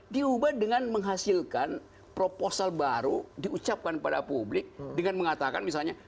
diubah dengan menghasilkan proposal baru diucapkan pada publik dengan mengatakan misalnya